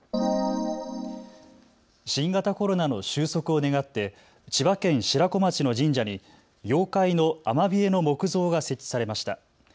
新型コロナの収束を願って千葉県白子町の神社に妖怪のアマビエの木像が設置されました。